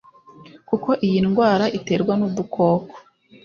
kuko iyi ndwara iterwa n’udukoko